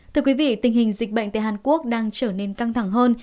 thưa quý vị tình hình dịch bệnh tại hàn quốc đang trở nên căng thẳng hơn